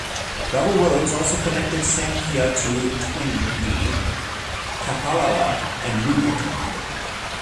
Gravel roads also connect Samfya to Twingi, Kapalala, and Lubwe.